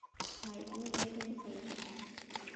ভাই, আমি মেয়েটাকে ফলো করি।